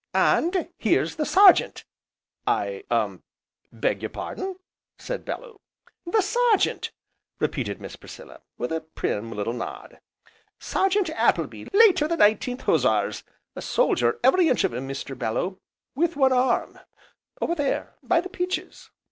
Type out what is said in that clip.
And here's the Sergeant!" "I er beg your pardon ?" said Bellew. "The Sergeant!" repeated Miss Priscilla, with a prim little nod, "Sergeant Appleby, late of the Nineteenth Hussars, a soldier every inch of him, Mr. Bellew, with one arm over there by the peaches."